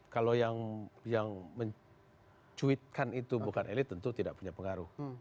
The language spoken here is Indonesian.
kalau yang mencuitkan itu bukan elit tentu tidak punya pengaruh